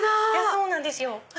そうなんですよ。